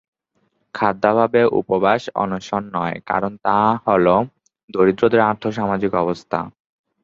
খাদ্যাভাবে উপবাস অনশন নয়, কারণ তা হলো দরিদ্রের আর্থ-সামাজিক সমস্যা।